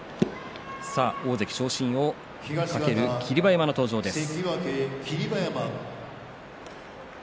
大関昇進を懸ける霧馬山の登場です。